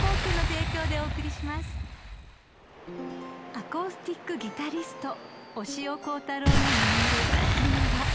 ［アコースティックギタリスト押尾コータローが巡る沖縄］